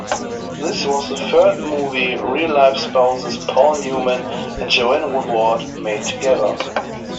This was the third movie real-life spouses Paul Newman and Joanne Woodward made together.